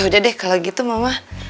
udah deh kalau gitu mama